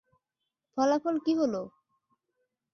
ফলাফল কী হলো?